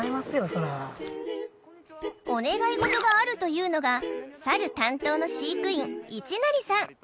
そりゃお願い事があるというのがサル担当の飼育員市成さん